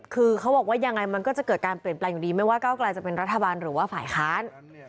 คือเขาบอกว่ายังไงมันก็จะเกิดการเปลี่ยนแปลงอยู่ดีไม่ว่าก้าวกลายจะเป็นรัฐบาลหรือว่าฝ่ายค้าน